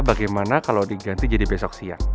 bagaimana kalau diganti jadi besok siang